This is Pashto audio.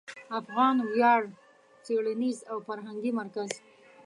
افغان ویاړ څېړنیز او فرهنګي مرکز